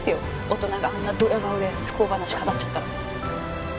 大人があんなドヤ顔で不幸話語っちゃったら。